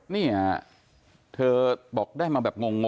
นี่ฮะเธอบอกได้มาแบบงง